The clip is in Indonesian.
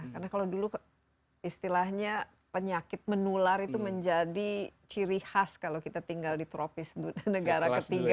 karena kalau dulu istilahnya penyakit menular itu menjadi ciri khas kalau kita tinggal di tropis negara ketiga